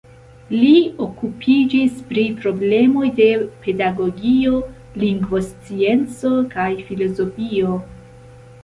Li okupiĝis pri problemoj de pedagogio, lingvoscienco kaj filozofio.